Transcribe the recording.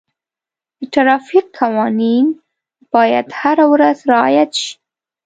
د ټرافیک قوانین باید هره ورځ رعایت شي.